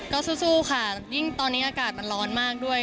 ก็สู้ค่ะยิ่งตอนนี้อากาศมันร้อนมากด้วย